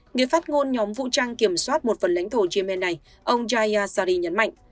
người phát ngôn nhóm vũ trang kiểm soát một phần lãnh thổ yemen này ông jayasari nhấn mạnh